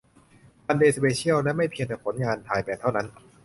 มันเดย์ สเปเชียล และไม่เพียงแต่ผลงานถ่ายแบบเท่านั้น